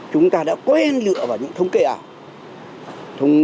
chúng ta đã quen lựa vào những thống kê ảo